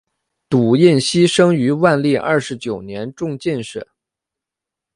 堵胤锡生于万历二十九年中进士。